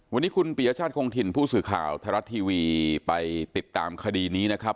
วันนี้คุณปียชาติคงถิ่นผู้สื่อข่าวไทยรัฐทีวีไปติดตามคดีนี้นะครับ